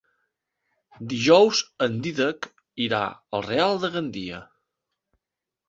Dijous en Dídac irà al Real de Gandia.